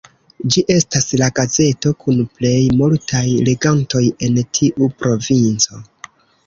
Ĝi estas la gazeto kun plej multaj legantoj en tiu provinco.